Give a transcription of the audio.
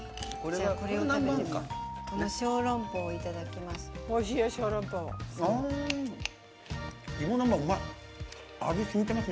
小龍包をいただきます。